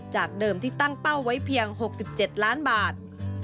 จากเดิมที่ตั้งเป้าไว้เพียง๖๗ล้านบาท